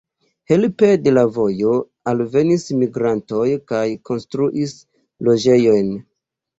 Helpe de la vojo alvenis migrantoj kaj konstruis loĝejojn.